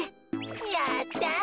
やった！